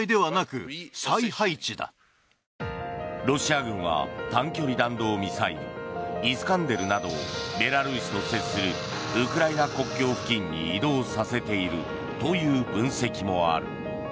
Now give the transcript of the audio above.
ロシア軍は短距離弾道ミサイルイスカンデルなどをベラルーシと接するウクライナ国境付近に移動させているという分析もある。